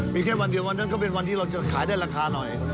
มีแค่วันเดียววันนั้นก็เป็นวันที่เราจะขายได้ราคาหน่อย